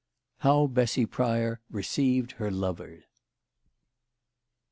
HOW BESSY PRYOR RECEIVED HER LOVER.